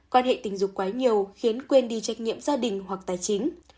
quan hệ tình dục quá nhiều khiến quên đi trách nhiệm gia đình hoặc tài chính